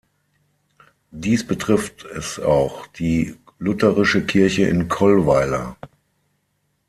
Dies betrifft es auch die lutherische Kirche in Kollweiler.